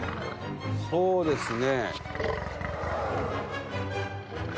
そうですね。